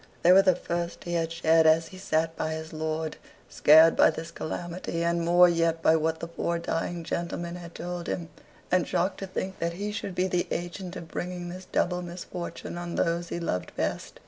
They were the first he had shed as he sat by his lord, scared by this calamity, and more yet by what the poor dying gentleman had told him, and shocked to think that he should be the agent of bringing this double misfortune on those he loved best.